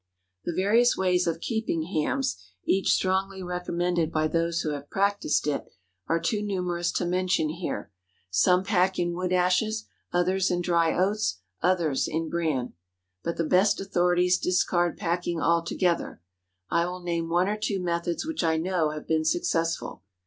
The various ways of keeping hams—each strongly recommended by those who have practised it—are too numerous to mention here. Some pack in wood ashes; others, in dry oats; others, in bran. But the best authorities discard packing altogether. I will name one or two methods which I know have been successful.